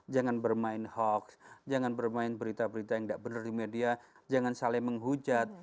jangan bermain hoax jangan bermain berita berita yang tidak benar di media jangan saling menghujat